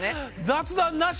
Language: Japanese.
雑談なし？